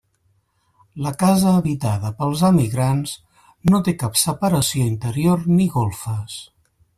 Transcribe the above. La casa habitada pels emigrants no té cap separació interior ni golfes.